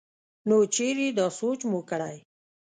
نو چرې دا سوچ مو کړے